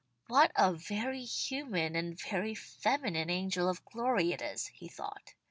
"What a very human and very feminine angel of glory it is," he thought.